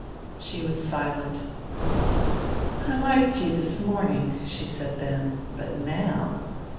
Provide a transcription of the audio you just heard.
She was silent. " I liked you this morning," she said then. " But now